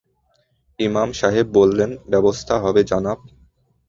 ইমাম সাহেব বললেন, ব্যবস্থা হবে জনাব।